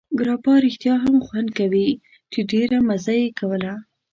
ګراپا رښتیا هم ښه خوند کاوه، چې ډېره مزه یې کوله.